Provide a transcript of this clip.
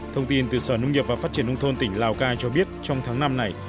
thông tin từ sở nông nghiệp và phát triển nông thôn tỉnh lào cai cho biết trong tháng năm này